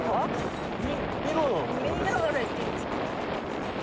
見ながら行っていいんですか？